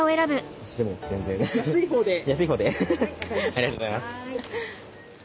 ありがとうございます。